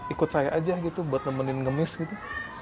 ikut saya aja gitu buat nemenin ngemis gitu